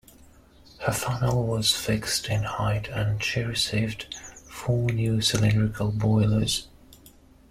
Her funnel was fixed in height and she received four new cylindrical boilers.